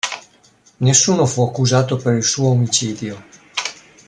Nessuno fu accusato per il suo omicidio.